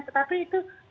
tetapi itu kalau tidak ada